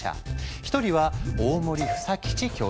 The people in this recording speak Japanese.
一人は大森房吉教授。